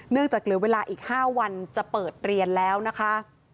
จากเหลือเวลาอีก๕วันจะเปิดเรียนแล้วนะคะ